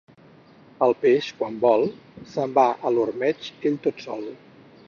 El peix, quan vol, se'n va a l'ormeig ell tot sol.